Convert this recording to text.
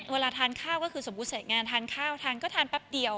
เวลาทานข้าวก็คือสมมุติเสร็จงานทานข้าวทานก็ทานแป๊บเดียว